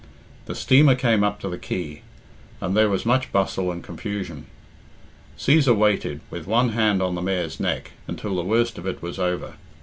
The steamer came up to the quay, and there was much bustle and confusion. Cæsar waited, with one hand on the mare's neck, until the worst of it was over.